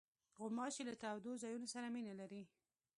غوماشې له تودو ځایونو سره مینه لري.